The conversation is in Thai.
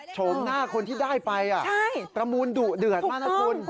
ชมหน้าคนที่ได้ไปอ่ะประมูลเดือดมากน่ะคุณใช่